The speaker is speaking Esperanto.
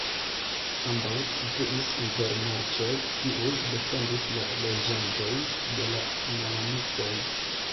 Ambaŭ situis inter marĉoj, kiuj defendis la loĝantojn de la malamikoj.